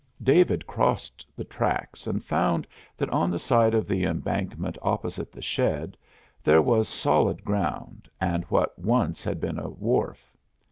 David crossed the tracks and found that on the side of the embankment opposite the shed there was solid ground and what once had been a wharf.